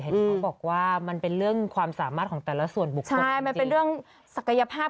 เขาบอกว่ามันเป็นเรื่องความสามารถของแต่ละส่วนบุคคลใช่มันเป็นเรื่องศักยภาพ